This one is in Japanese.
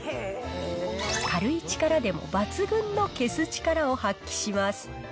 軽い力でも抜群の消す力を発揮します。